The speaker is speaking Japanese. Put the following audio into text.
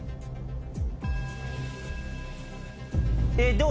どう？